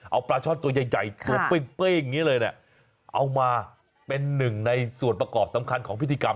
เอาปลาช่อนตัวใหญ่ตัวเป้งอย่างนี้เลยเนี่ยเอามาเป็นหนึ่งในส่วนประกอบสำคัญของพิธีกรรม